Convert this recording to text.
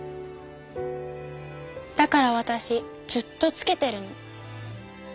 だからわたしずっとつけてるの。